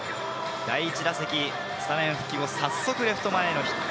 第１打席、スタメン復帰後、早速レフト前ヒット。